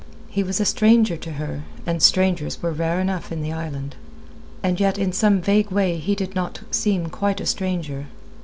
He was a stranger to her, and strangers were rare enough in the island. And yet in some vague way he did not seem quite a stranger.